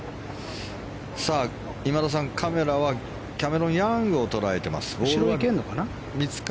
今田さん、カメラはキャメロン・ヤングを捉えてます。